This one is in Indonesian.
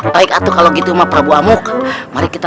baik atau kalau gitu mah prabu amuk mari kita